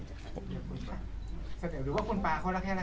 แสดงกับคุณป่า